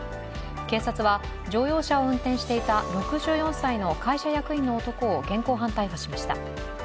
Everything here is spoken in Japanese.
警察は乗用車を運転していた６４歳の会社役員の男を現行犯逮捕しました。